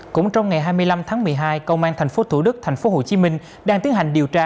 cũng trong ngày hai mươi năm tháng một mươi hai công an tp thủ đức tp hcm đang tiến hành điều tra